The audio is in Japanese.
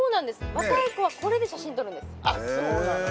若い子はこれで写真撮るんですそうなんだね